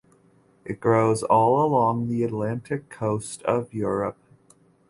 It grows all along the Atlantic coast of Europe.